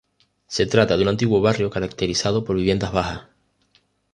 Se trata de un antiguo barrio caracterizado por viviendas bajas.